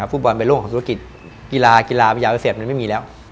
ผู้บอลเป็นโลกของธุรกิจกีฬายาวเศรษฐ์มันไม่มีแล้ว